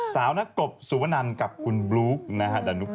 สาวนักกลบสุวรรณันกับคุณบลูกดานุคทร